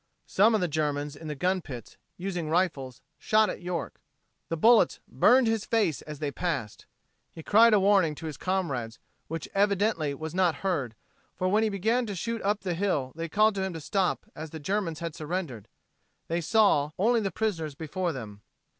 Some of the Germans in the gun pits, using rifles, shot at York. The bullets "burned his face as they passed." He cried a warning to his comrades which evidently was not heard, for when he began to shoot up the hill they called to him to stop as the Germans had surrendered. They saw only the prisoners before them.